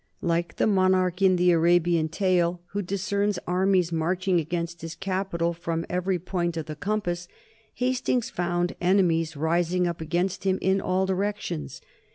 Like the monarch in the Arabian tale who discerns armies marching against his capital from every point of the compass, Hastings found enemies rising up against him in all directions.